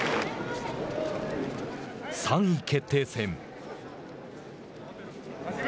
３位決定戦。